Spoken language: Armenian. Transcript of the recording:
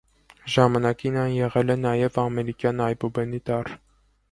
Ժամանակին այն եղել է նաև ամերիկյան այբբուբենի տառ։